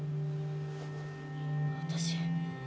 私。